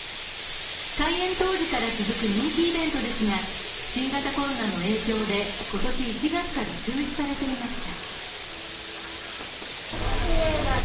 開園当時から続く人気イベントですが、新型コロナの影響で今年１月から中止されていました。